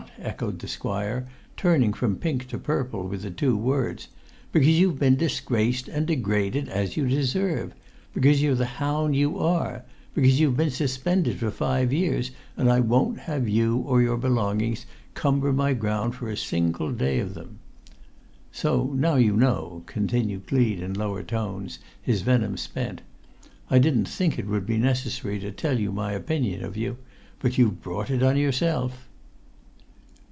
echoed the squire, turning from pink to purple with the two words. "Because you've been disgraced and degraded as you deserve; because you're the hound you are; because you've been suspended for five years, and I won't have you or your belongings cumber my ground for a single day of them! So now you know," continued Gleed in lower tones, his venom spent. "I didn't think it[Pg 94] would be necessary to tell you my opinion of you; but you've brought it on yourself."